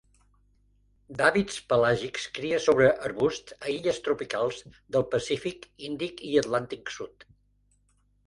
D'hàbits pelàgics, cria sobre arbusts a illes tropicals del Pacífic, Índic i Atlàntic Sud.